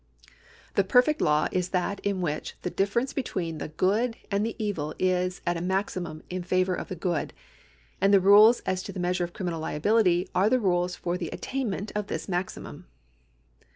The perfect law is that in which the difference between the good and the evil is at a maximum in favoiu' of the good, and the rules as to the measure of criminal liability are the rules for the attain ment of this maxiumm.